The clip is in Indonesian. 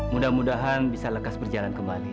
mudah mudahan bisa lekas berjalan kembali